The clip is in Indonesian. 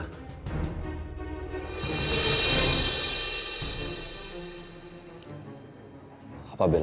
aku tidak tahu pak reino